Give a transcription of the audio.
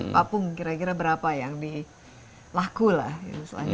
apapun kira kira berapa yang dilakukan